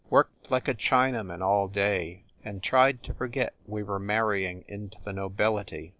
Worked like a China man all day, and tried to forget we were marrying into the nobility.